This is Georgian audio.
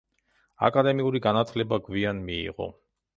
აკადემიური განათლება გვიან მიიღო.